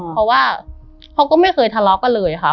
เพราะว่าเขาก็ไม่เคยทะเลาะกันเลยค่ะ